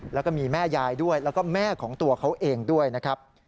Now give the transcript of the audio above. แล้วก็มีแม่ยายด้วยแล้วก็แม่ของตัวเขาเองด้วยนะครับ